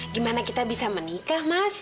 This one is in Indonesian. gimana kita bisa menikah mas